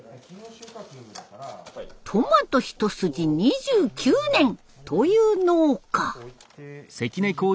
トマト一筋２９年という農家。